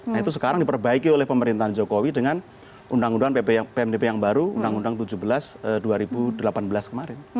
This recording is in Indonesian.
nah itu sekarang diperbaiki oleh pemerintahan jokowi dengan undang undang pmdp yang baru undang undang tujuh belas dua ribu delapan belas kemarin